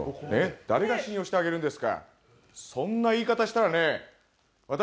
誰が信用してあげるんですか。